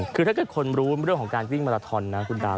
คือถ้าเกิดคนรู้เรื่องของการวิ่งมาราทอนนะคุณดาว